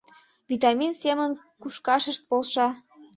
Витамин семын кушкашышт полша...